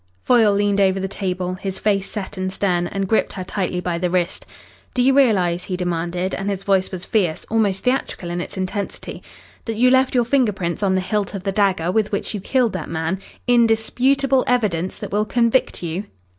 Foyle leaned over the table, his face set and stern, and gripped her tightly by the wrist. "Do you realise," he demanded, and his voice was fierce, almost theatrical in its intensity, "that you left your finger prints on the hilt of the dagger with which you killed that man indisputable evidence that will convict you?"